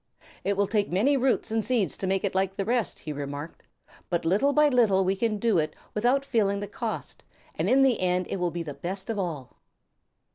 "It will take many roots and seeds to make it like the rest," he remarked, "but little by little we can do it without feeling the cost, and in the end it will be the best of all."